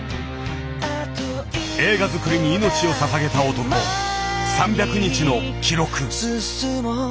映画作りに命をささげた男３００日の記録。